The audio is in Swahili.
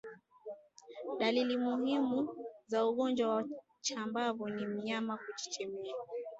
Dalili muhimu za ugonjwa wa chambavu ni mnyama kuchechemea